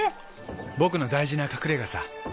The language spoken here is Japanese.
僕の大事な隠れ家さ。